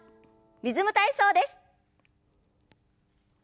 「リズム体操」です。